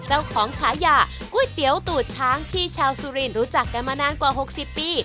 ฉายาก๋วยเตี๋ยวตูดช้างที่ชาวสุรินรู้จักกันมานานกว่า๖๐ปี